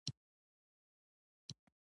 ډيپلومات د ټولنیزو شبکو له لارې معلومات خپروي.